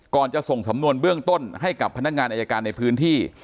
จะส่งสำนวนเบื้องต้นให้กับพนักงานอายการในพื้นที่